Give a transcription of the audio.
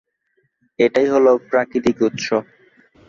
এটাই হলো প্রাকৃতিক উৎস।